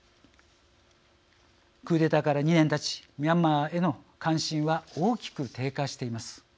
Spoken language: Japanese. クーデターから２年たちミャンマーへの関心は大きく低下しています。